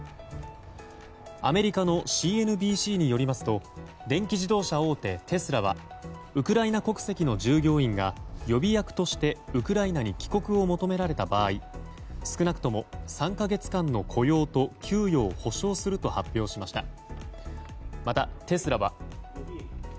アメリカのＣＮＢＣによりますと電気自動車大手テスラはウクライナ国籍の従業員が予備役としてウクライナに帰国を求められた場合少なくとも３か月間の雇用と給与を保証すると発表しました。